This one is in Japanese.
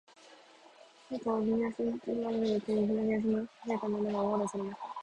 陛下は、右手に私をつまみ上げて、左の手で静かに私をなでながら、大笑いされました。